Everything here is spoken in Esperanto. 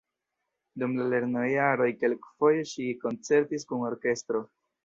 Dum la lernojaroj kelkfoje ŝi koncertis kun orkestro.